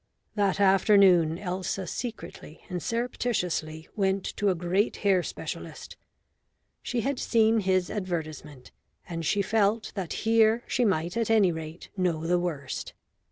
That afternoon Elsa secretly and surreptitiously went to a great hair specialist. She had seen his advertisement, and she felt that here she might at any rate know the worst.